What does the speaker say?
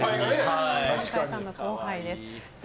犬飼さんの後輩です。